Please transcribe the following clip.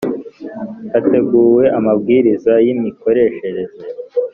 hateguwe amabwiriza y imikoreshereze